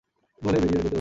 বলেই বেরিয়ে যেতে উদ্যত।